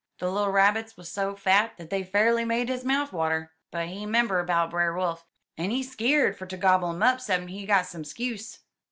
De little Rabbits wuz so fat dat dey fa'rly made his mouf water, but he 'member 'bout Brer Wolf, en he skeered fer ter gobble um up ceppin' he got some *skuse.